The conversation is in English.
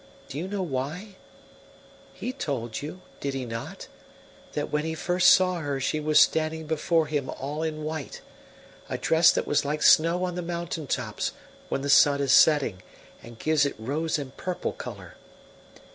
Do you know why? He told you did he not? that when he first saw her she was standing before him all in white a dress that was like snow on the mountain tops when the sun is setting and gives it rose and purple colour.